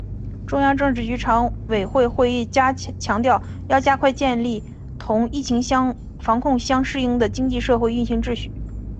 中央政治局常委会会议强调要加快建立同疫情防控相适应的经济社会运行秩序